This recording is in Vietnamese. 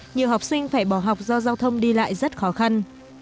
nhiều học sinh phải bỏ học do giao thông đi lại rất khó khăn